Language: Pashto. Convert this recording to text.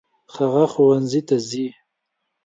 هغه ښوونځي ته ځي.